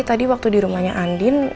tadi waktu di rumahnya andin